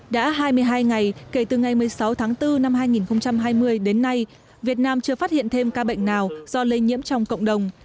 đã hai mươi hai ngày kể từ ngày một mươi sáu tháng bốn năm hai nghìn hai mươi đến nay việt nam chưa phát hiện thêm ca bệnh nào do lây nhiễm trong cộng đồng